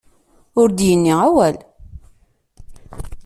Ur d-yenni awal.